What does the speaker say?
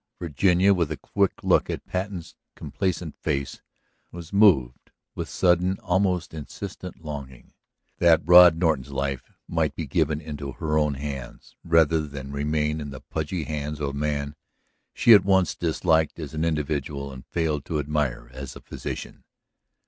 Virginia, with a quick look at Patten's complacent face, was moved with sudden, almost insistent longing, that Rod Norton's life might be given into her own hands rather than remain in the pudgy hands of a man she at once disliked as an individual and failed to admire as a physician.